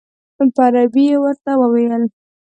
په عربي یې ورته وویل.